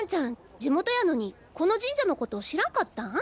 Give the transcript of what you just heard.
地元やのにこの神社のこと知らんかったん？